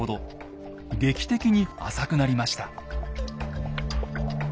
劇的に浅くなりました。